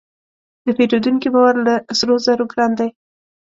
د پیرودونکي باور له سرو زرو ګران دی.